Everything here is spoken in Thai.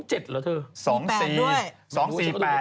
๒๗หรอเธอ